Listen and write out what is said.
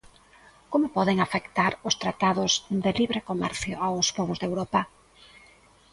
Como poden afectar os tratados de libre comercio aos pobos de Europa?